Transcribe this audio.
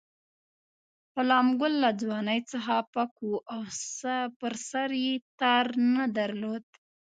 غلام ګل له ځوانۍ څخه پک وو او پر سر یې تار نه درلود.